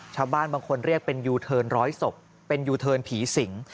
ชาวบ้านบางคนเรียกเป็นยูเทิร์นร้อยศพเป็นยูเทิร์นผีสิง